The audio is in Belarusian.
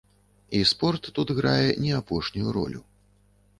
І спорт тут грае не апошнюю ролю.